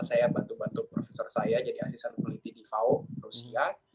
saya bantu bantu profesor saya jadi asisten peneliti di fau rusia